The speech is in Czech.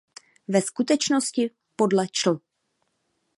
Ve skutečnosti, podle čl.